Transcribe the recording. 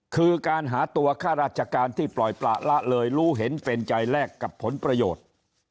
คือการหาตัวข้าราชการที่ปล่อยประละเลยรู้เห็นเป็นใจแรกกับผลประโยชน์